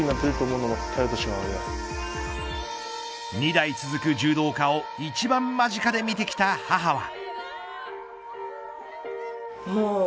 ２代続く柔道家を一番間近で見てきた母は。